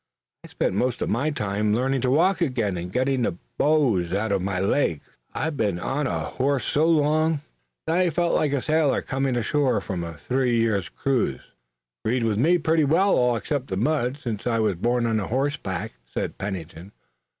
"I've spent most of my time learning to walk again, and getting the bows out of my legs," said Dick. "I've been a horse so long that I felt like a sailor coming ashore from a three years' cruise." "Agreed with me pretty well, all except the mud, since I was born on horseback," said Pennington.